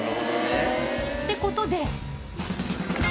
ってことで。